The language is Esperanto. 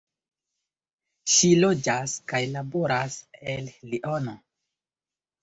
Ŝi loĝas kaj laboras en Liono.